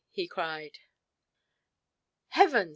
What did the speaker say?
he cried. "Heavens!